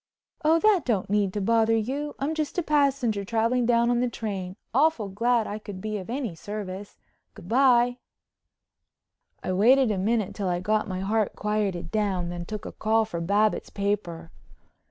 "Oh, that don't need to bother you. I'm just a passenger traveling down on the train. Awful glad I could be of any service. Good bye." I waited a minute till I got my heart quieted down, then took a call for Babbitts' paper.